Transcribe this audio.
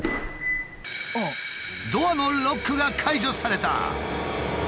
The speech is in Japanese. ドアのロックが解除された！